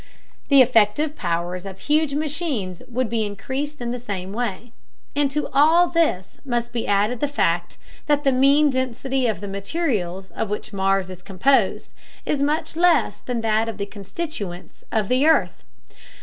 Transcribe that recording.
The effective powers of huge machines would be increased in the same way; and to all this must be added the fact that the mean density of the materials of which Mars is composed is much less than that of the constituents of the earth.